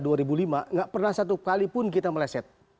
tidak pernah satu kalipun kita meleset